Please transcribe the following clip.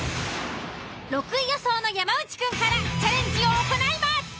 ６位予想の山内くんからチャレンジを行います！